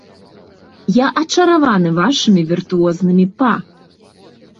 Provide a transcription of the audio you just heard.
Я ачаравана вашымі віртуознымі па.